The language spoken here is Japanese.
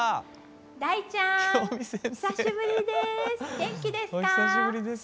大ちゃん久しぶりです。